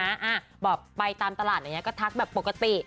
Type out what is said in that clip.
อ่าบอกไปตามตลาดอย่างเงี้ก็ทักแบบปกติ